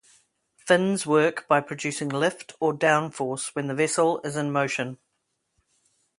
Fins work by producing lift or downforce when the vessel is in motion.